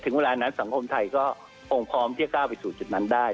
เวลานั้นสังคมไทยก็คงพร้อมที่จะก้าวไปสู่จุดนั้นได้